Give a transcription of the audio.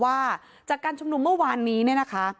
อกว่าจากการชงนมเมื่อวานนี้ค่ะ